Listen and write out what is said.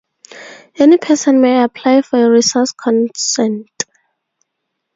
Any person may apply for a resource consent.